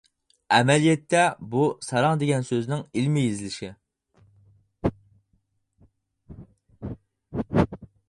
ئەمەلىيەتتە، بۇ «ساراڭ» دېگەن سۆزنىڭ ئىلمىي يېزىلىشى.